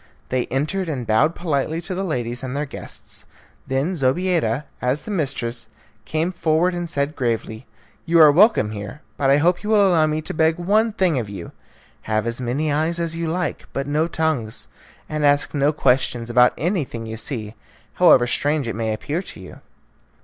They entered and bowed politely to the ladies and their guests. Then Zobeida, as the mistress, came forward and said gravely, "You are welcome here, but I hope you will allow me to beg one thing of you have as many eyes as you like, but no tongues; and ask no questions about anything you see, however strange it may appear to you."